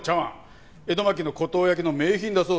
江戸末期の湖東焼の名品だそうだ。